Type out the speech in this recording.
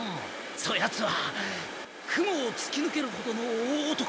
そやつは雲をつきぬけるほどの大男。